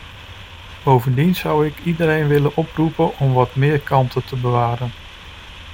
Bovendien zou ik iedereen willen oproepen om wat meer kalmte te bewaren.